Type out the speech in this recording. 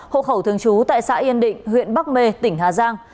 hộ khẩu thường trú tại xã yên định huyện bắc mê tỉnh hà giang